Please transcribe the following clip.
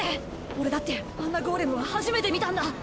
俺だってあんなゴーレムは初めて見たんだ！